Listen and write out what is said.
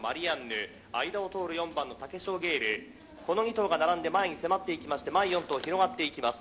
「間を通る４番のタケショウゲイルこの２頭が並んで前に迫って行きまして前４頭広がっていきます」